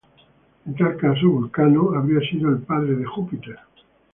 En tal caso, Vulcano habría sido el padre de Júpiter.